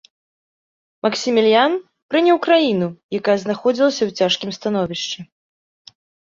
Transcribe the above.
Максіміліян прыняў краіну, якая знаходзілася ў цяжкім становішчы.